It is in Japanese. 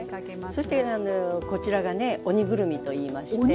そしてこちらがね「鬼ぐるみ」といいまして。